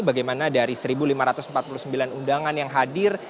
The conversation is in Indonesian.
bagaimana dari satu lima ratus empat puluh sembilan undangan yang hadir